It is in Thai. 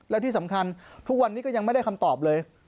และที่สำคัญทุกวันนี้ก็ยังไม่ได้คำตอบเลย